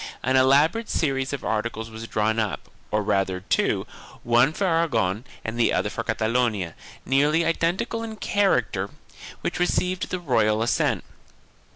An elaborate series of articles was drawn up, or rather two, one for Aragon and the other for Cata lonia, nearly identical in character, which received the royal assent.